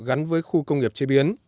gắn với khu công nghiệp chế biến